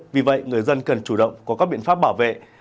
vì vậy người dân cần chủ động có các biện pháp bảo vệ